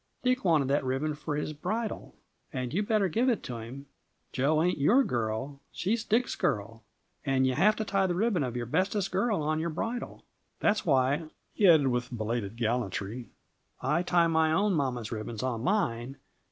Dick wanted that ribbon for his bridle; and you better give it to him. Jo ain't your girl. She's Dick's girl. And you have to tie the ribbon of your bestest girl on your bridle. That's why," he added, with belated gallantry, "I tie my own mamma's ribbons on mine.